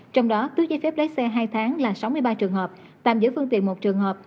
trong đó tước giấy phép lái xe hai tháng là sáu mươi ba trường hợp tạm giữ phương tiện một trường hợp